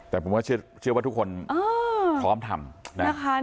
แต่ผมก็เชื่อว่าทุกคนพร้อมทำพร้อมปฏิบัติ